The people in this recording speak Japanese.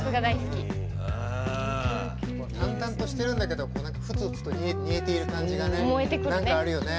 淡々としてるんだけど沸々と煮えている感じがね何かあるよね。